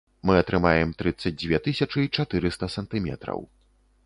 Мы атрымаем трыццаць дзве тысячы чатырыста сантыметраў.